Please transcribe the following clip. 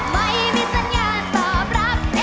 ไม่มีสัญญาตอบรับ